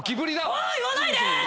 おい言わないで！